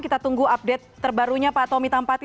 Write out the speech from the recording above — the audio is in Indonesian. kita tunggu update terbarunya pak tommy tampati